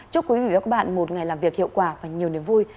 chúc quý vị và các bạn một ngày làm việc hiệu quả và nhiều niềm vui